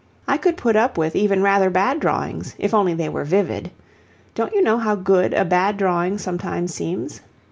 I could put up with even rather bad drawings if only they were vivid. Don't you know how good a bad drawing sometimes seems?